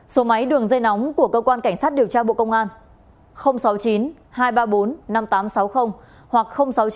số máy đường dây nóng của cơ quan cảnh sát điều tra bộ công an sáu mươi chín hai trăm ba mươi bốn năm nghìn tám trăm sáu mươi hoặc sáu mươi chín hai trăm ba mươi một một nghìn sáu trăm